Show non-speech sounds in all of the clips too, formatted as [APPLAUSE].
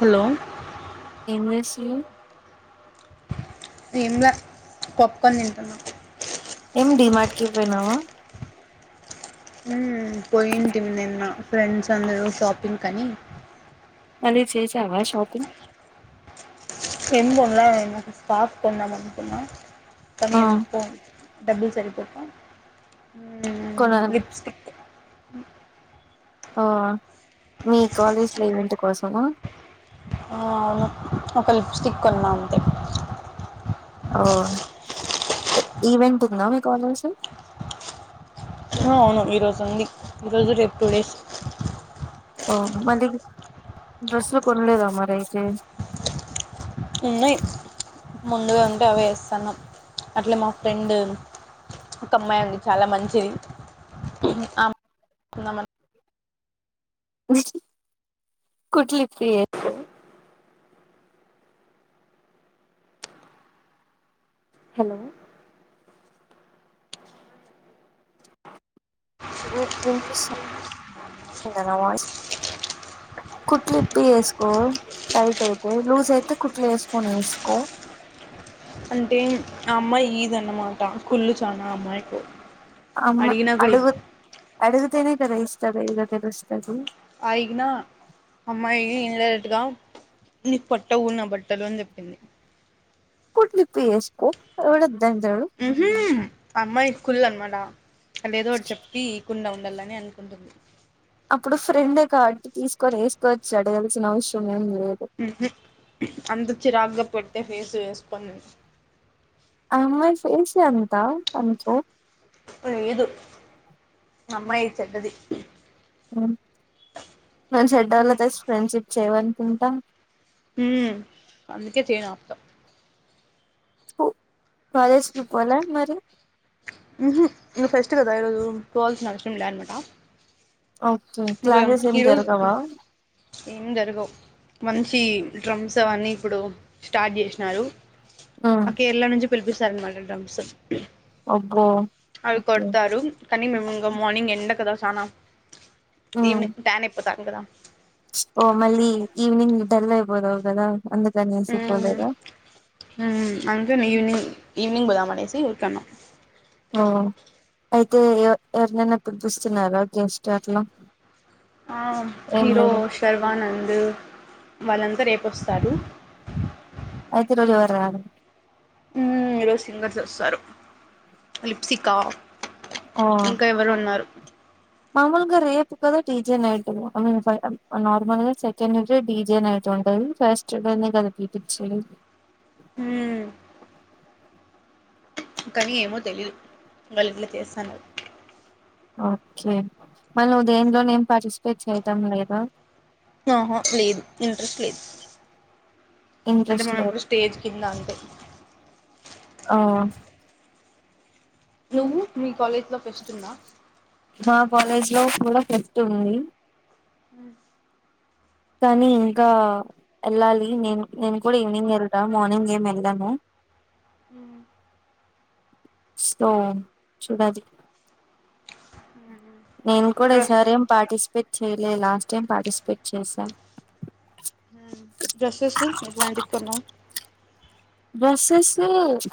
Hello ఏంచేస్తులు ఎంలే popcorn తింటున్నా ఏం డిమార్ట్ కి పోయినావా పోయింటి నిన్న ఫ్రెండ్స్ అందరూ షాపింగ్ అని అది చేసావా షాపింగ్ టాప్ కొందమానుకున్న కనీ ఆ ఎందుకో డబ్బులు సరిపోక, ఉ కొనాలి లిప్స్టిక్ మీ కాలేజ్ల ఈవెంట్ కోసమ ఆ అవును ఒక లిప్స్టిక్ కొన్నా అంతే ఓ ఈవెంట్ ఉందా మీ కాలేజ్ అవును ఈరోజు ఉంది, ఈరోజు రేపు టూ డేస్ ఓ మళ్ళీ డ్రస్సులు కొనలేదా మరి అయితే ఉన్నాయి ముందుగా ఉంటే అవి వేస్తుాను అట్లే మా ఫ్రెండ్ ఒక అమ్మాయి ఉంది చాలా మంచిది ఆ కుట్లి విపి వేస్కో హలో వినిపిస్తుందా నా వాయిస్ [UNINTELLIGIBLE] కుట్లి ఇప్పి వేసుకో టైట్ అయితే లూజ్ అయితే కుట్లు వేసుకొని వేసుకో, [UNINTELLIGIBLE] అంటే ఆ అమ్మాయి ఈదన్నమాట కుళ్ళు చానా ఆ అమ్మాయికు అమ్ అడిగినా కూడా ఇది అడుగు అడుగుతేనే కదా ఇస్తంది ఇగ తెలుస్తది. అడిగిన అమ్మాయి ఇన్ డైరెక్ట్ గా నీకు పట్ట ఊరు నా బట్టలు అని చెప్పింది కుట్లి విపి వేస్కో ఎ అమ్మాయి కి కుల్ అనమాట అ ఏదో ఒకటి చెప్పి ఇకుండా ఉంది. ఉండాలని అనుకుంటుంది. అప్పుడు ఫ్రెండ్ కాట్టి తీసుకొని వేసుకోవచ్చి అడగాల్సిన అవసరం ఎం ఉంది. ఉహు అంత చిరాగగా పెడితే ఫేస్ వేస్ పను ఆ అమ్మాయి ఫేస్ అంతా అనుకో లేదు అమ్మాయి చెడ్డది. ఉ మన చెడ్డ వాళ్లతో ఫ్రెండ్షిప్ చేయవనుకుంటా హు అందుకే చేయను అప్తా తు కలేజ్ కి పోలే మరి ఉ హు టేస్ట్ కదా ఈ రోజు పోవలసిన అవసరం లే అనమాటా ఓకే ఇంకా క్లాసెస్ ఏం ఈరోజు జరగవా ఏం జరగవు మం చి డ్రామ్స్ అన్ని ఇప్పుడు స్టార్ట్ చేసినారు ఉమ్ ఆ కేరళ నుంచి పిలిపిస్తారు అనమాట డ్రమ్స్ అబ్బో అవి ఓకే కొడతారు. కనీ మేము మార్నింగ్ ఎండ కదా సానా ఉమ్ ఈవనింగ్ ట్యాన్ అయిపోతాముకదా, ఓ మళ్ళీ ఈవ్నింగ్ డల్ అయిపోతాముకదా అందుకు ఉ ఉ ఇవినింగ్ ఇవినింగ్ పోదాం అనేసి ఊర్కేనం ఓ అయితే ఎవరినైనా పిలుపిస్తున్నారా గెస్ట్ అట్లా ఆ ఏం హీరో లేదా శర్వానంద్ వలందరు ఎ వస్తారు. అయితే ఈ రోజు ఎవరు రారు మ్మ్ ఈరోజు సింగర్స్ వస్తారు లిప్సికా ఆ ఇంకా ఎవరో ఉన్నారు మాముూలుగా రే చక్కగా డిజే నైట్ నార్మల్ గా సెకండ్ డీజే నైట్ ఉంటది ఫస్ట్ అట్లనే [UNINTELLIGIBLE] బిటేక్ సైడ్ మ్మ్ కానీ ఏమో తెలీయదు వాళ్ళు ఇంట్లో చేస్తాన్నరు ఓకే మళ్ళా నువ్వు దేనిలోన ఏం పార్టిసిపేట్ చేయటం లేదా ఆహ లేదు ఇంట్రెస్ట్ లేదు అంటే ఇంట్రెస్ట్ మీము ఎప్పుడు లేదు స్టేజ్ కింద ఉంటాం ఆ నువ్వు మీ కాలేజ్ లో ఫెస్ట్ ఉందా మా కాలేజ్ లో కూడా చే తొమ్మి మ్మ్ కానీ ఇంకా వెళ్ళాలి నేను నేను కూడా ఈవినింగ్ వెళ్తా మార్నింగ్ ఏమి వెళ్ళాను మ్మ్ స్పొ చూడాలి నేను కూడా డ్రెస్ ఈసారి ఏం పార్టిసిపేట్ చేయ నినా లాస్ట్ టైం పార్టిసిపేట్ చేసాన్ డ్రెస్సెస్ ఎట్లాంటివి కొన్నావ్ డ్రెస్సస్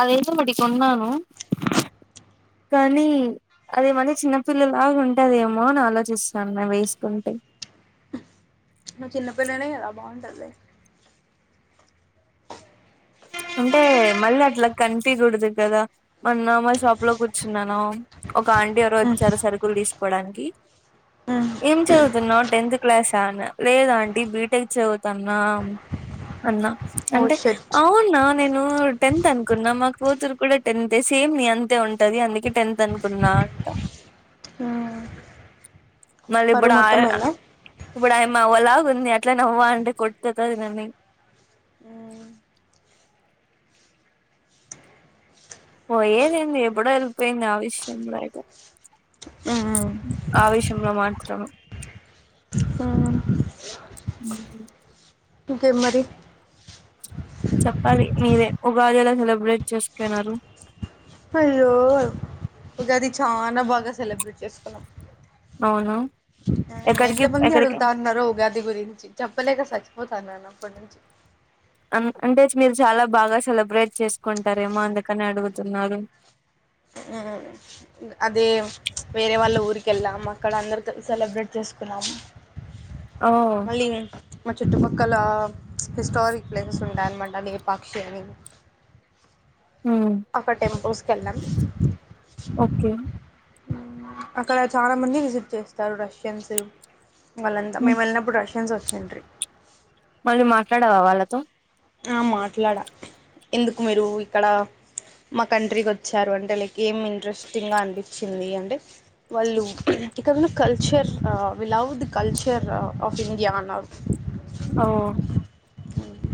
అది ఎదొ ఒకటి కొన్నాను కానీ అది మరి చిన్నపిల్లలాగ ఉంటదేమో అని ఆలోచిస్తాన్నా వేసుకుంటే నువ్వు చిన్నపిల్లనే కదా బాగుంటదిలే అంటే మళ్ళీ అట్లా కనిపయకూడదు కదా నిను నామల్ షాప్ లో కూర్చున్నాను ఒక ఆంటీ ఎవరో మ్మ్ వచ్చారు సరుకులు తీసుకోవడానికి మ్మ్ తున్నావ్ టెన్త్ క్లాస లేదాంటీ బీటెక్ చదువుతున్నా అన్నా ఓ అంటే షట్ అవును నేను టెన్త్ అనుకున్నా మా కూతురు కూడా టెన్త్ సేమ్ నీ అంతే ఉంటంది అందుకే టెన్త్ అనుకున్నా నా అంటా అవున మళ్ళీ ఇప్పుడు ఆడే ఇప్పుడు ఆయామ్మ [UNINTELLIGIBLE] ఉంది అట్లానే అవ్వ అంటే కొట్టతాది నన్నీ పోయిదేందీ ఎప్పుడో వెళ్ళిపోయింది ఆవేశం లో ఏదో మ్మ్ ఆ ఆవేశంలో మాత్రమే ఉన మ్మ్ ఇంకేం మరి చెప్పాలి మీరే ఉగాది ఎలా సెలబ్రేట్ చేసుకున్నారు అయ్యో ఉగాది చాన బాగా సెలబ్రేట్ చేసుకున్నాం బాగుందా ఆ ఎంత మంది అడుగుతాన్నారో ఉగాది గురించి చెప్పలేక సచ్చి పోతాన్నాన అప్పటి నుంచి అం అంటే మీరు చాలా బాగా సెలబ్రేట్ చేసుకుంటారేమో అందుకని అడుగుతున్నారు మ్మ్ అదే వేరే వాళ్ళ ఊరికి వెళ్ళాం అక్కడ అందరితో సెలబ్రేట్ చేసుకు ఓ మళ్ళీ ఇగ మా చుట్టుపక్కల హిస్టారిక్ ప్లేసెస్ ఉంటాయన్నమాట లేపాక్షి అని ఉమ్ అక్కాట టెంపుల్స్ కి వెళ్ళాం ఓకె అక్కడ చాలా మంది విజిట్ చేస్తారు రష్యన్స్ వాళ్ళంతా ఉమ్ మేము వెళ్ళినప్పుడు రష్ ఫ్రెండ్స్ వచ్చిండ్రీ మళ్ళీ మాట్లాడవా వాళ్ళతో ఆ మాట్లాడా ఎందుకు మీరు ఇక్కడ మా కంట్రీకి వచ్చారు అంటే లైక్ ఏమ్ ఇంట్రెస్టింగ్ గా అనిపించింది అంటే వాళ్ళు ఇక్కడున్న కల్చర్ ఆ we love the culture uh of India అన్నారు. ఓ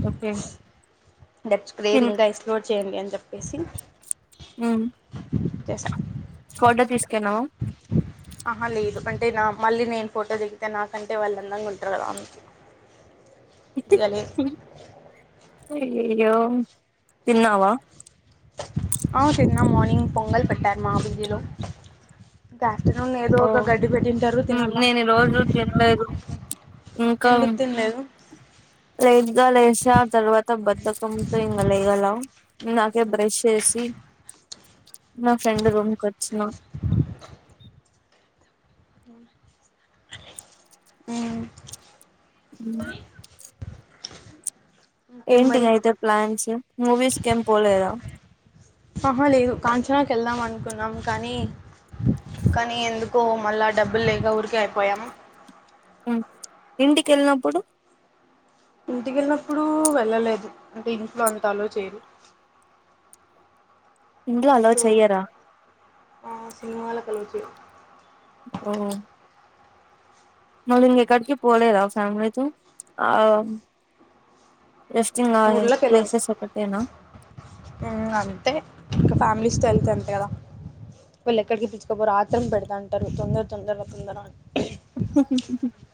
ఓకే డచ్ తిన్ క్రేరింగా ఎక్స్లోడ్ చేయండి అని చెప్పేసి ఉమ్ ఫోటో తీసుకెళ్ళావా [INAUDIBLE] ఆ హా లేదు అంటే నా మళ్ళీ నేను ఫోటో దిగితే నాకంటే వాళ్ళు అందంగా ఉంటారు కదా అందుకు. దిగాలే అయ్యోయ్యో తిన్నావా ఆ తిన్నాం మార్నింగ్ పొంగల్ పెట్టారు మా పి జి లో గ్య తిన్నల్లా ఏదో ఓ ఒక గడ్డి పెట్టింటారు ఉమ్ తిన్నల్లా నేను ఈ రోజు తినలేదు ఎందుకు తిన్లేదు లైట్ గా లేసా ఆ తర్వాత బద్ధకంతో ఇంకా లెయలా, ఇందాకే బ్రష్ చేసి [INAUDIBLE] నా ఫ్రెండ్ రూమ్ కి వచ్చిన ఆ ఆ ఉ ఇంకేం మరి ఏంటిగా అయితే ప్లాన్సు మూవీస్ కేమ్ పోలేదా. ఆహా లేదు కాంచనాకి వెళ్దాం అనుకున్నాం కానీ కానీ ఎందుకో మళ్ళా డబ్బులు లేక ఊరికే అయిపోయామ్. ఉ ఇంటికి వెళ్ళినప్పుడు ఇంటికి వెళ్ళినప్పుడు వెళ్ళలేదు అంటే ఇంట్లో అంతా అలోవ్ చేరు. [INAUDIBLE] ఇంట్లో అలొవ్ చేయరా ఆ సినిమాలకాలౌవ్ చేయరు ఓ మరి ఎక్కడికి పోలేదా ఫ్యామిలీతో ఆ రెస్టింగా ఊర్లోకి ప్లేసెస్ ఒక్కటేనా ఉ అంతే ఇంకా ఫ్యామిలీస్తో వెళ్తే అంతే కదా. వీళ్ళు ఎక్కడికి పిల్చుకుపోరు ఆత్రరం పెడతాంటారు తొందర తొందర తొందర అన్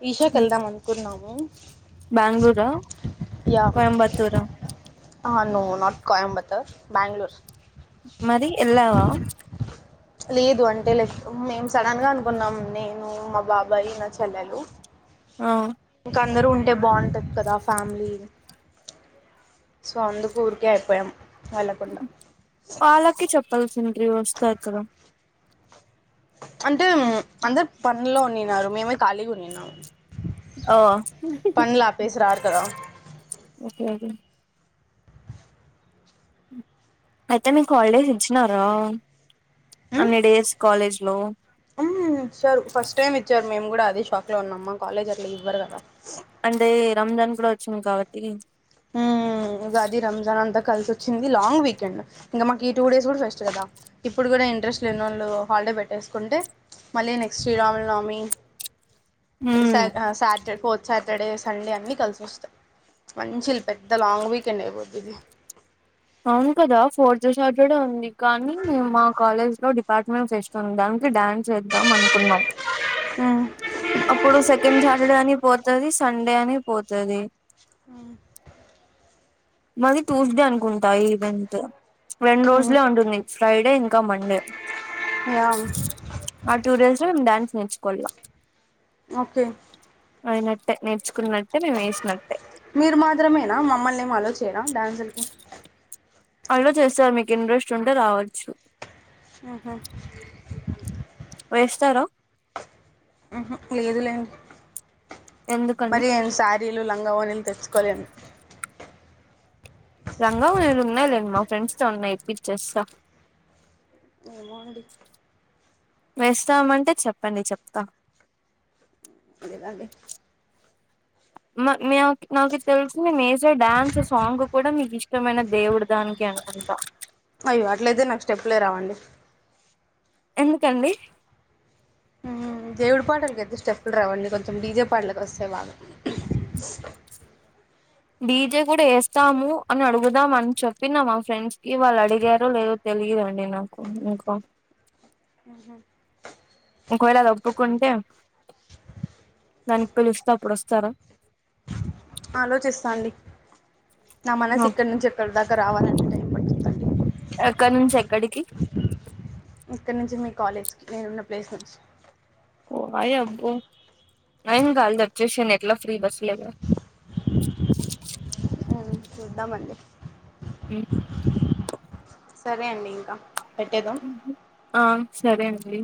ఈషాకి వెళ్దాం అనుకున్నాము బెంగళూరా కోయంబత్తూరా ఆ నో నాట్ కోయంబత్తూర్ బ్యాంగుళూర్ మరి యెల్లవా లేదు అంటే లెక్ మేము సడన్ గా అనుకున్నాం, నేను మా బాబాయ్ నా చెల్లెలు ఆ అందరు ఉంటే బాగుంటది కదా ఫ్యామిలీ సో అందుకు ఊరికే అయిపోయాం వెళ్ళకుండా వాళ్ళకి చెప్పాల్సింట్రీ వస్తార్ కదా అంటే అందరు పన్లో ఉన్నిన్నారు మేమే ఖాళీగా ఉన్నిన్నాము. ఓ పన్లు ఆపేసి రారు కదా ఓకే ఓకే అయితే మీకు హాలిడేస్ ఇచ్చినారా అన్ని డేస్ కాలేజ్ లో అమ్ ఇచ్చారు ఫస్ట్ టైమ్ ఇచ్చారు, మేము కూడా అదే షాక్ లో ఉన్నామ్ మా కాలేజ్ అట్లా ఇవ్వరు కదా. చోమ్ కాబట్టి ఉ ఉ మ్ ఉగాది రంజాన్ అంతా కలిసి వచ్చింది లాంగ్ వీకెండ్, ఇంకా మాకి ఈ టూ డేస్ కూడా ఫస్ట్ కదా ఇప్పుడు కూడా ఇంట్రెస్ట్ లేనిలోళ్ళు హాలిడే పెట్టేసుకుంటే మళ్ళీ నెక్స్ట్ శ్రీరామునమి సా మ్మ్ ఆ సాటర్ ఫోర్త్ సాటర్డే సండే అన్ని కలిసొస్తాయి. మంచి పెద్ద లాంగ్ వీకెండ్ అయిపోద్దిది. అవును కదా ఫోర్త్ సాటర్డే ఉంది. కానీ మా కాలేజ్ లో డిపార్ట్మెంట్ ఫెస్టున్ది దానికి డ్యాన్స్ చేద్దాం అనుకున్నాం. మ్మ్ అప్పుడు సెకెండ్ సాటర్డే అని పోతది సండే అని పోతది. [UNINTELLIGIBLE] మాది ట్యూస్డే అనుకుంటా ఈ ఈవెంట్ మ్మ్ రెండ్రోజులే ఉంటుంది. ఫ్రైడే ఇంకా మండే. [UNINTELLIGIBLE] [UNINTELLIGIBLE] డ్యాన్స్ నేర్చుకోవాలిగ. ఓకే. అయినట్టె నేర్చ్ మీరు మాత్రమేనా మమ్మల్నేం ఆలోచేయరా డాన్సుల్కి. అలో చేస్తారు మీకు ఇంట్రెస్ట్ ఉంటె రావచ్చు. ఊహు వేస్తార. లేదు లేండి. ఎందుకండి మరి ఏం సారీలు లంగావోనిల్ తెచ్చుకోలేన్ లంగాఓణిలున్నాయిలేండి మా ఫ్రెండ్స్ తానున్నయి ఇప్పిచేస్త. ఏమో అండి వేస్తామంటె చెప్పండి చెప్త. అడగాలె. మా మ్యాక్ నాకి తెలిసి ఏసే డ్యాన్స్ సాంగ్ కూడా మీకిష్టమైన దేవుడు దానికే ఇంకా అయ్యో అట్లయితే నాకు స్టెప్లే రావండి. ఎందుకండి. మ్మ్ దేవుడి పాటలకయితే స్టెప్పుల్ రావండి కొంచెం డీజే పాటలకు ఒస్తయి బాగ. - [UNINTELLIGIBLE] డీజే కూడ యేస్తాము అని అడుగుదాం అని చెప్పినా మా ఫ్రెండ్స్ కి వాళ్ళడిగారో లేదొ తె తెలియదండి నాకు ఇంకా ఉహూ ఒకవేళ అదొప్పుకుంటే. దానికి పలుస్తె అప్పుడోస్తార. ఆలోచిస్తా అండి. నా మనసిక్కడ నుంచి ఎక్కడ దాకా రావాలంటే టైం పడుతుంది కదండి. ఎక్కడ నుంచి ఎక్కడికి. ఇక్కడ నుంచి మీ కాలేజ్కి నేనున్న ప్లేస్ నుంచి. ఓయబ్బొ ఏంకాదులె ఒచ్చేషెయండి ఎట్లా ఫ్రీ బస్సులేగా. అ చూద్దామండి. [UNINTELLIGIBLE] సరే అండి ఇంక పెట్టేదా. ఆ సరే అండి.